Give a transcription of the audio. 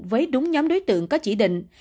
với đúng nhóm đối tượng có chỉ định